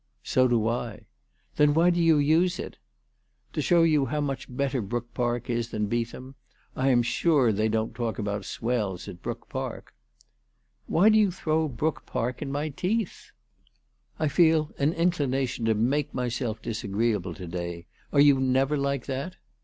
"So do I." " Then why do you use it ?"" To show you how much better Brook Park is than Beetham. I am sure they don't talk about swells at Brook Park." " Why do you throw Brook Park in my teeth ?" 336 ALICE DUGDALE. " I feel an inclination to make myself disagreeable to day. Are you never like that